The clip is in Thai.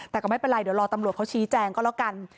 แต่ก็ไม่เป็นไรเดี๋ยวรอตำรวจเขาชี้แจงก็แล้วกัน